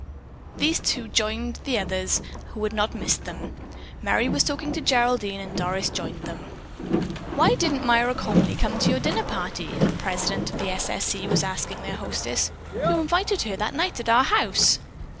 These two joined the others, who had not missed them. Merry was talking to Geraldine and Doris joined them. "Why didn't Myra Comely come to your dinner party?" the president of the "S. S. C." was asking their hostess. "You invited her that night at our house."